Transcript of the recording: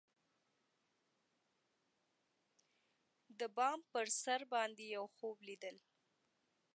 د بام پر سر باندی یوخوب لیدل